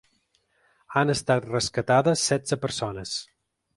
Han estat rescatades setze persones.